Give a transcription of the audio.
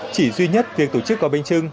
chỉ duy nhất việc tổ chức gọi bênh chưng